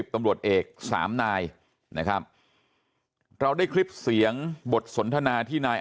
ตำรวจเอกสามนายนะครับเราได้คลิปเสียงบทสนทนาที่นาย